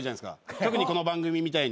特にこの番組みたいに。